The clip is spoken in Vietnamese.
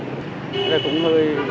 thế này cũng hơi